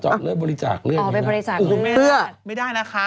เจาะเลือดบริจาคเลือด